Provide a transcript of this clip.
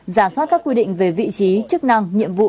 giả soát các quy định về vị trí chức năng nhiệm vụ